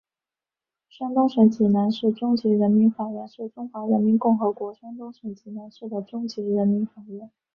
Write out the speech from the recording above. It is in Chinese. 山东省济南市中级人民法院是中华人民共和国山东省济南市的中级人民法院。